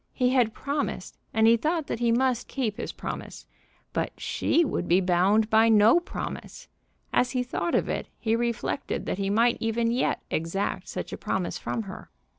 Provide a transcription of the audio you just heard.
He had promised, and he thought that he must keep his promise; but she would be bound by no promise! As he thought of it, he reflected that he might even yet exact such a promise from her.